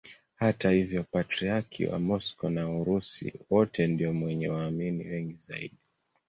Hata hivyo Patriarki wa Moscow na wa Urusi wote ndiye mwenye waamini wengi zaidi.